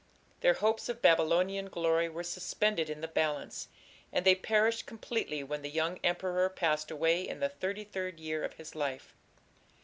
Their hopes of Babylonian glory were suspended in the balance, and they perished completely when the young emperor passed away in the thirty third year of his life.